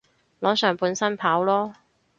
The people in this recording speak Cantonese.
裸上半身跑囉